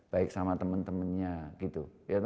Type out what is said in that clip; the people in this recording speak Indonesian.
baik sama teman temannya gitu